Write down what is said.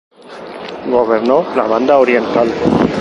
Gobernó la Banda Oriental.